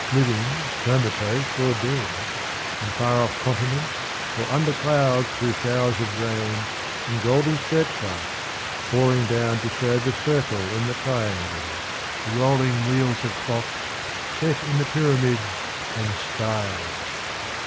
Living, comatose or dead. On far off continents, or under clouds Through showers of rain, in golden searchlights Pouring down to show the circle in the triangle. The rolling wheels of clocks set in the pyramids and spires.